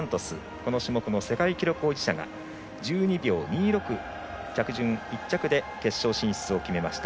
この種目の世界記録保持者が１２秒２６着順１着で決勝進出を決めました。